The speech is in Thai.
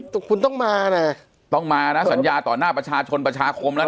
แต่คุณต้องมานะต้องมานะสัญญาต่อหน้าประชาชนประชาคมแล้วนะ